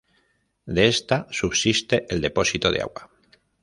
De esta subsiste el depósito de agua.